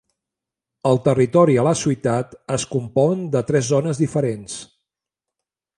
El territori a la ciutat es compon de tres zones diferents.